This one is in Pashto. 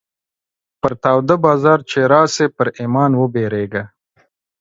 پر تا وده بازار چې راسې ، پر ايمان وبيرېږه.